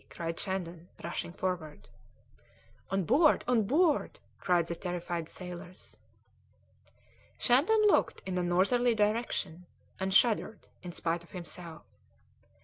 cried Shandon, rushing forward. "On board! On board!" cried the terrified sailors. Shandon looked in a northerly direction, and shuddered in spite of himself.